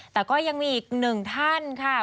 แต่ก็ยังมีอีกหนึ่งท่านค่ะ